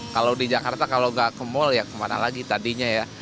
kalau di jakarta kalau nggak ke mall ya kemana lagi tadinya ya